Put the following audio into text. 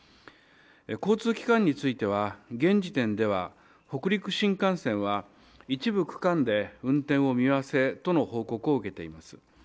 交通機関については現時点では北陸新幹線は一部区間で運転を見合わせとの報告を受けています。